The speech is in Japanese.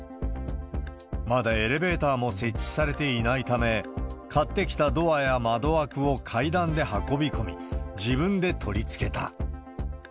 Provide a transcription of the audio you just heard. まだエレベーターも設置されていないため、買ってきたドアや窓枠を階段で運び込み、自分で取り付けた。